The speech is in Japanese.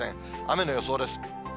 雨の予想です。